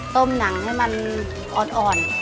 หนังให้มันอ่อน